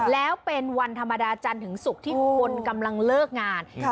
แล้วเป็นวันธรรมดาจันทร์ถึงศุกร์ที่คนกำลังเลิกงาน